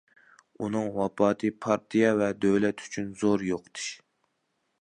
ئۇنىڭ ۋاپاتى پارتىيە ۋە دۆلەت ئۈچۈن زور يوقىتىش.